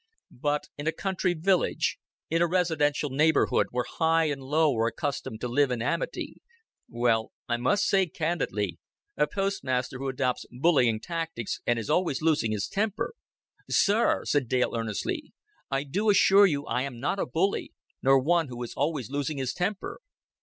But in a country village, in a residential neighborhood, where high and low are accustomed to live in amity well, I must say candidly, a postmaster who adopts bullying tactics, and is always losing his temper " "Sir," said Dale earnestly, "I do assure you I am not a bully, nor one who is always losing his temper."